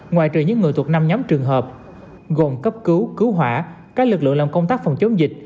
ngoài trừ những người thuộc năm nhóm trường hợp gồm cấp cứu cứu hỏa các lực lượng làm công tác phòng chống dịch